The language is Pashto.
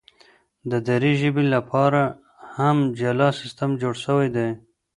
د دري ژبي لپاره هم جلا سیستم جوړ سوی دی.